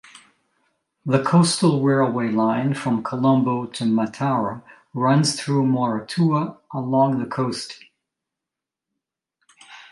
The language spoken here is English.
The coastal railway line from Colombo to Matara runs through Moratuwa along the coast.